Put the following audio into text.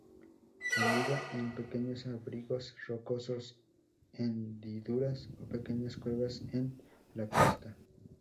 Anida en pequeños abrigos rocosos, hendiduras o pequeñas cuevas en la costa.